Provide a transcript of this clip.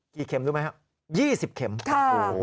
กี่เข็มรู้ไหมฮะ๒๐เข็มโอ้โฮค่ะ